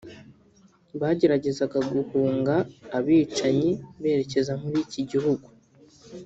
bageragezaga guhunga abicanyi berekeza muri iki gihugu